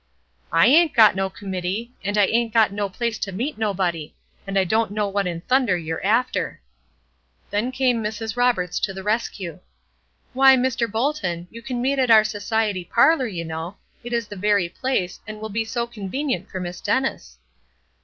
"I ain't got no committee; and I ain't got no place to meet nobody; and I don't know what in thunder you're after." Then came Mrs. Roberts to the rescue: "Why, Mr. Bolton, you can meet at our society parlor, you know; it is the very place, and will be so convenient for Miss Dennis."